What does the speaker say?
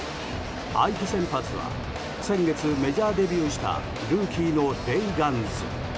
相手先発は先月メジャーデビューしたルーキーのレイガンズ。